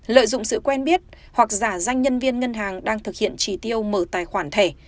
lợi dụng sự quen biết hoặc giả danh nhân viên ngân hàng đang thực hiện chỉ tiêu mở tài khoản thẻ